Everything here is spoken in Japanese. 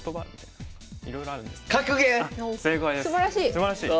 すばらしい。